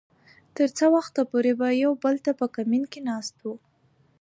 تر څه وخته پورې به يو بل ته په کمين کې ناست وو .